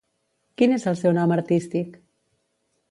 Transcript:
Quin és el seu nom artístic?